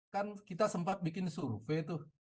kan kita sempat bikin survei tuh